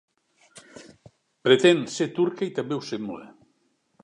Pretén ser turca, i també ho sembla.